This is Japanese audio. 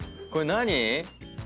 これ何？